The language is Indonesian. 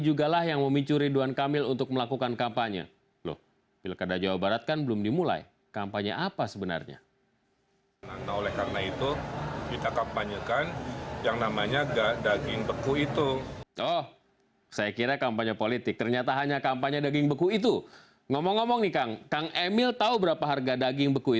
jangan lupa subscribe channel ini